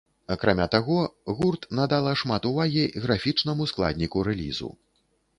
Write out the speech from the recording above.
Акрамя таго, гурт надала шмат увагі графічнаму складніку рэлізу.